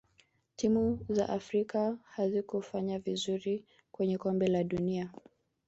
timu za afrika hazikufanya vizuri kwenye kombe la dunia